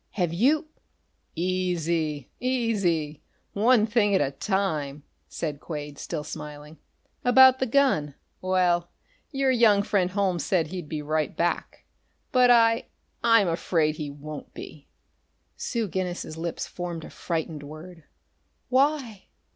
Have you " "Easy, easy one thing at a time," said Quade, still smiling. "About the gun well, your young friend Holmes said, he'd be right back, but I I'm afraid he won't be." Sue Guinness's lips formed a frightened word: "Why?"